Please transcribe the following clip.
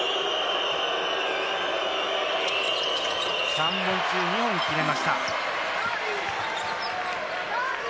３本中、２本決めました。